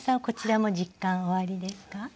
こちらも実感おありですか？